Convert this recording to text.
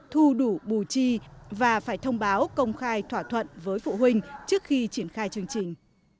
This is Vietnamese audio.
thu đủ bù chi và phải thông báo công khai thỏa thuận với phụ huynh trước khi triển khai chương trình